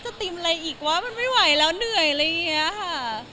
ติมอะไรอีกวะมันไม่ไหวแล้วเหนื่อยอะไรอย่างนี้ค่ะ